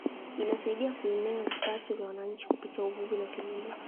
Inasaidia kuinua vipato vya wananchi kupitia uvuvi na kilimo